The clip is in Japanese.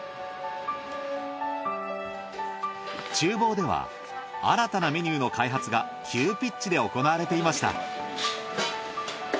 厨房では新たなメニューの開発が急ピッチで行われていました。